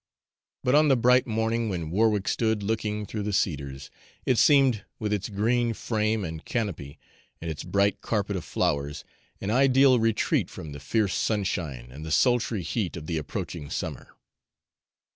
But on the bright morning when Warwick stood looking through the cedars, it seemed, with its green frame and canopy and its bright carpet of flowers, an ideal retreat from the fierce sunshine and the sultry heat of the approaching summer.